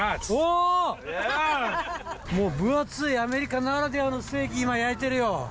もう分厚いアメリカならではのステーキ、今、焼いてるよ。